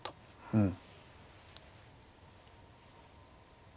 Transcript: うん。